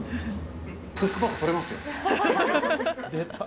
クックパッド取れますよ。